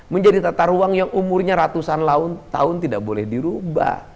menjadi tata ruang yang umurnya ratusan tahun tidak boleh dirubah